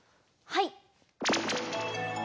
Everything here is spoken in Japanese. はい。